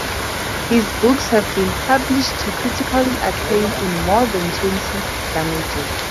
His books have been published to critical acclaim in more than twenty languages.